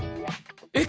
えっ